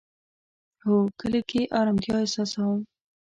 هو، کلی کی ارامتیا احساسوم